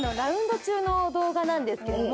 の動画なんですけども。